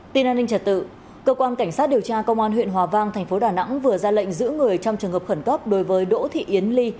tin an ninh trật tự cơ quan cảnh sát điều tra công an huyện hòa vang thành phố đà nẵng vừa ra lệnh giữ người trong trường hợp khẩn cấp đối với đỗ thị yến ly